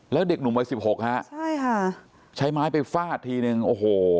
แล้วเด็กหนุ่มวัน๑๖ค่ะใช้ไม้ไปฟาดทีนึงโอ้โห